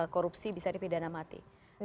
korupsi bisa dipindahkan mati